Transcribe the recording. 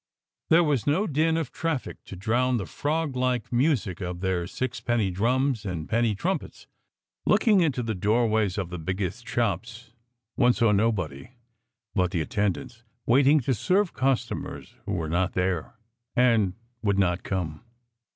There was no din of traffic to drown the frog like music of their sixpenny drums and penny trumpets. Looking into the doorways of the biggest shops one saw nobody but the attendants, waiting to serve customers who were not there and would not come.